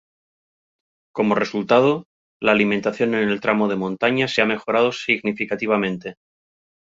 Como resultado, la alimentación en el tramo de montaña se ha mejorado significativamente.